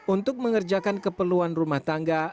untuk mengerjakan keperluan rumah tangga